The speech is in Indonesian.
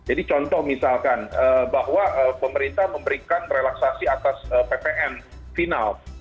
contoh misalkan bahwa pemerintah memberikan relaksasi atas ppn final